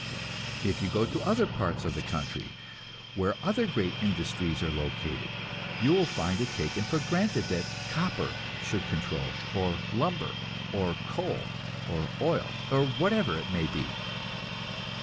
If you go to other parts of the country, where other great industries are located, you find it taken for granted that "copper" should control, or "lumber," or "coal," or "oil," or whatever it may be.